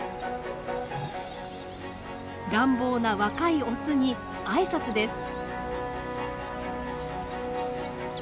乱暴な若いオスに挨拶です。